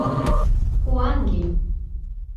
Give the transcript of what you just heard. Куан лий!»